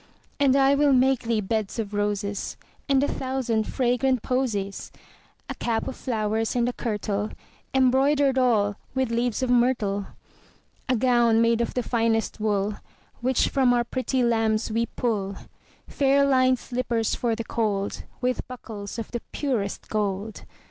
And I will make thee beds of roses And a thousand fragrant posies; 10 A cap of flowers, and a kirtle Embroider'd all with leaves of myrtle. A gown made of the finest wool Which from our pretty lambs we pull; Fair linèd slippers for the cold, 15 With buckles of the purest gold.